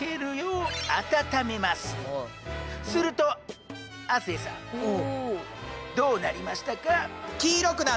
すると亜生さんどうなりましたか？